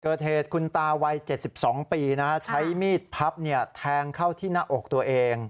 เกิดเหตุคุณตาวัย๗๒ปีใช้มีดพับแทงเข้าที่หน้าอกตัวเอง